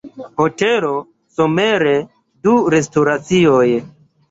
Hotelo, Somere du restoracioj.